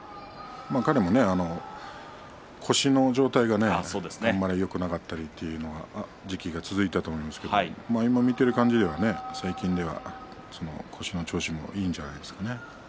彼も腰の状態があんまりよくなかったりという時期が続いたと思うんですが今見ていると最近では腰の調子もいいんじゃないですかね。